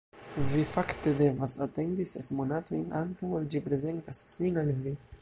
Vi fakte devas atendi ses monatojn, antaŭ ol ĝi prezentas sin al vi.